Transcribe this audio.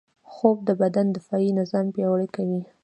خوب د بدن دفاعي نظام پیاوړی کوي